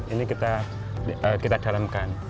ini kita dalamkan